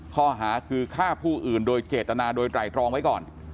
ข้อหาคือฆ่าผู้อื่นโดยเจตนาโดยไตรตรองไว้ก่อน